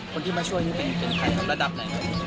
คนที่มาช่วยเนี่ยเป็นใครระดับไหน